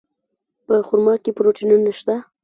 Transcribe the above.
په خرما کې پروټینونه شته.